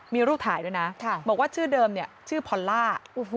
มีรูปถ่ายด้วยนะบอกว่าชื่อเดิมเนี่ยชื่อพอลล่า